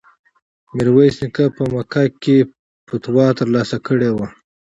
میرویس نیکه په مکه کې فتوا ترلاسه کړې وه.